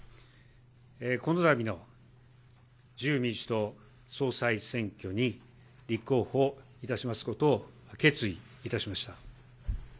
このたびの自由民主党総裁選挙に立候補いたしますことを決意いたしました。